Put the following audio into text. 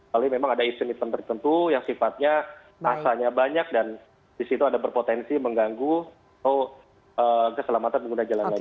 tapi memang ada isu mitra tertentu yang sifatnya asalnya banyak dan di situ ada berpotensi mengganggu atau keselamatan pengguna jalan lainnya